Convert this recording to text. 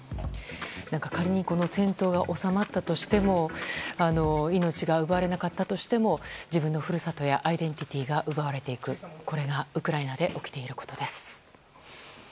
仮に戦闘が収まったとしても命が奪われなかったとしても自分の故郷やアイデンティティーが奪われていくこれがウクライナで起きていることです。